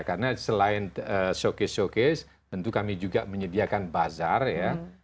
karena selain showcase showcase tentu kami juga menyediakan bazar ya